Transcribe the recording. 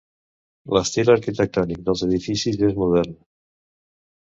L'estil arquitectònic dels edificis és modern.